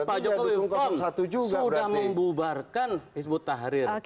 pak jokowi sudah membubarkan hizbo tahrir